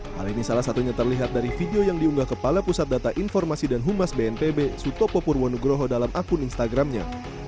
hal ini salah satunya terlihat dari video yang diunggah kepala pusat data informasi dan humas bnpb sutopo purwonugroho dalam akun instagramnya